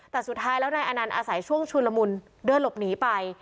แต่สุดท้ายแล้วนายอนันต์อาศัยช่วงชุนละมุนเดินหลบหนีไป